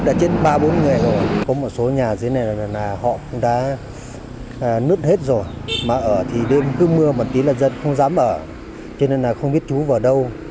đã chết ba bốn người rồi có một số nhà dưới này là họ cũng đã nứt hết rồi mà ở thì đêm cứ mưa một tí là dân không dám ở cho nên là không biết chú vào đâu